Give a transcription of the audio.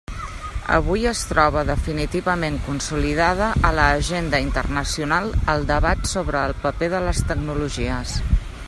Avui es troba definitivament consolidada a l'agenda internacional el debat sobre el paper de les tecnologies.